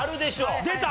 出た？